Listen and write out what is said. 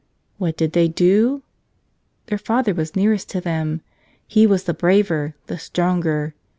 What did they do? Their father was nearest to them; he was the braver, the stronger.